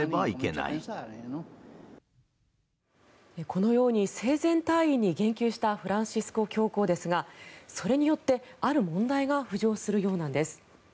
このように生前退位に言及したフランシスコ教皇ですがそれによってある問題が浮上するようなんです。